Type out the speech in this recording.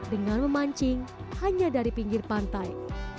dengan memancing hanya dari pinggir pantai